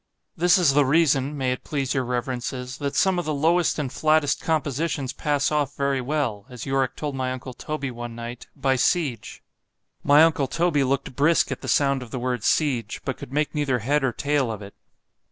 —This is the reason, may it please your reverences, that some of the lowest and flattest compositions pass off very well——(as Yorick told my uncle Toby one night) by siege.——My uncle Toby looked brisk at the sound of the word siege, but could make neither head or tail of it.